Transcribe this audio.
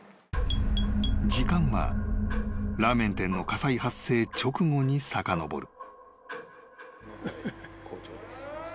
［時間はラーメン店の火災発生直後にさかのぼる］